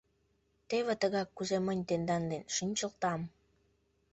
Теве тыгак, кузе мынь тендан дене шинчылтам.